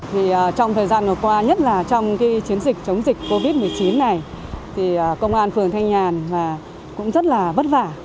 trong thời gian vừa qua nhất là trong chiến dịch chống dịch covid một mươi chín này công an phường thanh nhàn cũng rất là bất vả